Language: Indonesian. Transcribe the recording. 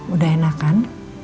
udah enak kan